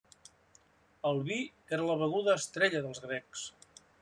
El vi era la beguda estrella dels grecs.